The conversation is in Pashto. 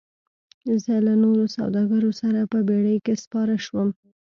زه له نورو سوداګرو سره په بیړۍ کې سپار شوم.